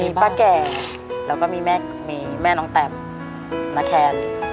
มีป้าแก่แล้วก็มีแม่น้องแตมณแคน